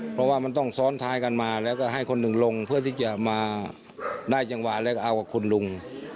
เพราะว่ามันต้องซ้อนท้ายกันมาแล้วก็ให้คนหนึ่งลงเพื่อที่จะมาได้จังหวะแล้วก็เอากับคุณลุง